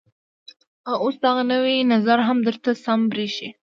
او اوس دغه نوى نظر هم درته سم بريښي.